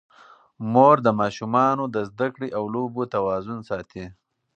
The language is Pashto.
مور د ماشومانو د زده کړې او لوبو توازن ساتي.